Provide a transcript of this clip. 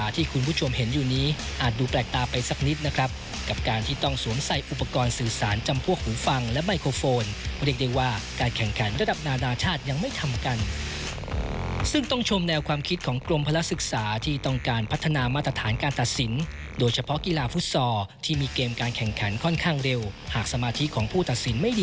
ติดตามได้จากรายงานของคุณชูศักดิ์บงทองดีครับ